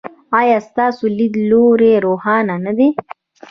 ایا ستاسو لید لوری روښانه نه دی؟